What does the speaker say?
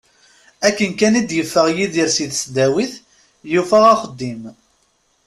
Akken kan i d-yeffeɣ Yidir si tesdawit, yufa axeddim.